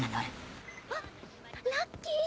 あっラッキー！